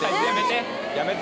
やめて。